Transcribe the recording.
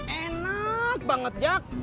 enak banget jak